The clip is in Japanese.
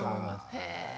へえ。